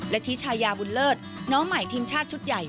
และที่ชายาบุญเลิศน้องใหม่ทีมชาติชุดใหญ่